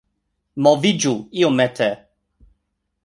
Moviĝu iomete